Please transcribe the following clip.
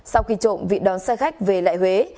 sau khi trộm vị đón xe khách về lại huế